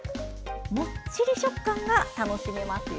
もっちり食感が楽しめますよ。